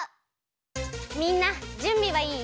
みんなじゅんびはいい？